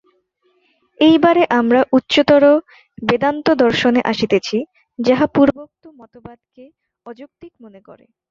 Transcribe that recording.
এইবারে আমরা উচ্চতর বেদান্তদর্শনে আসিতেছি, যাহা পূর্বোক্ত মতবাদকে অযৌক্তিক মনে করে।